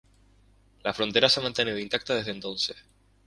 La frontera se ha mantenido intacta desde entonces.